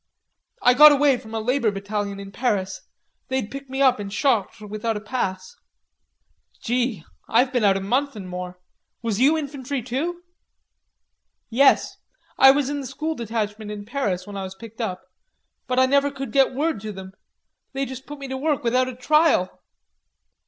"I got away from a labor battalion in Paris. They'd picked me up in Chartres without a pass." "Gee, I've been out a month an' more. Was you infantry too?" "Yes. I was in the School Detachment in Paris when I was picked up. But I never could get word to them. They just put me to work without a trial.